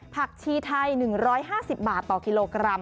ผักชีไทย๑๕๐บาทต่อกิโลกรัม